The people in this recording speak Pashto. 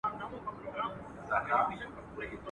o بې کاري لنگېږي، خواري ترې زېږي.